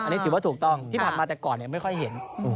ถึงว่าถูกต้องที่ผลัดมาแต่ก่อนไม่ค่อยเห็น